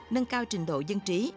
nâng cao trình độ dân trí